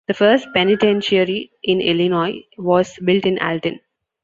The first penitentiary in Illinois was built in Alton.